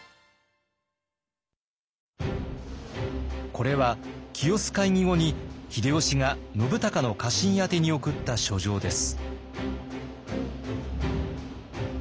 これは清須会議後に秀吉が信孝の家臣宛に送った書状です。